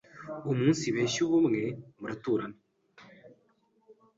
Uumunsibeshye ubumwe, muraturana;